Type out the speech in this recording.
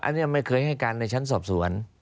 อันนี้ไม่เคยให้การในชั้นสอบสวน